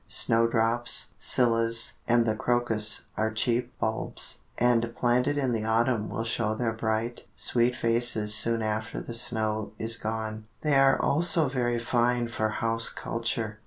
Snowdrops, Scillas and the Crocus are cheap bulbs, and planted in the autumn will show their bright, sweet faces soon after the snow is gone. They are also very fine for house culture.